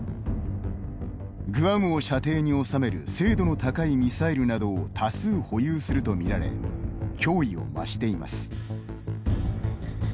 グアムを射程に収める精度の高いミサイルなどを多数保有するとみられ脅威を増しています。